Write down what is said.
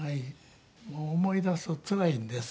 もう思い出すとつらいんです